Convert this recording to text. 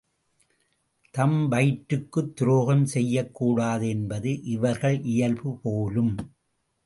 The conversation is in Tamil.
தம் வயிற்றுக்குத் துரோகம் செய்யக்கூடாது என்பது இவர்கள் இயல்புபோலும்!